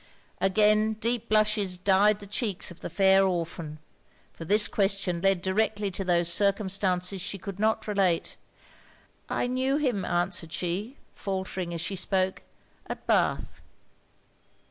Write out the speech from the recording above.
Again deep blushes dyed the cheeks of the fair orphan; for this question led directly to those circumstances she could not relate. 'I knew him,' answered she, faultering as she spoke, 'at Bath.'